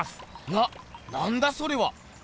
ななんだそれは。